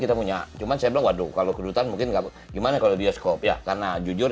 kita punya cuma saya bawa dulu kalau kedudukan mungkin gak gimana kalau bioskop ya karena jujur